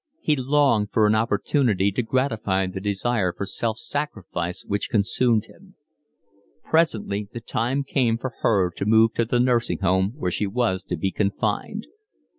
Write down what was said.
He longed for an opportunity to gratify the desire for self sacrifice which consumed him. Presently the time came for her to move to the nursing home where she was to be confined.